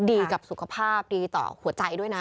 ดีกับสุขภาพดีต่อหัวใจด้วยนะ